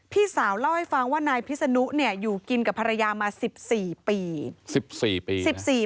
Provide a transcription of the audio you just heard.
พี่สาวเล่าให้ฟังว่านายพิศนุเนี่ยอยู่กินกับภรรยามา๑๔ปี๑๔ปี